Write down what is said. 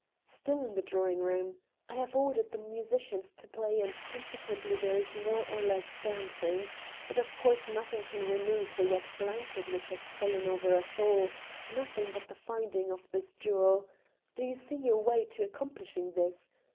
"Still in the drawing room. I have ordered the musicians to play, and consequently there is more or less dancing. But, of course, nothing can remove the wet blanket which has fallen over us all, nothing but the finding of this jewel. Do you see your way to accomplishing this?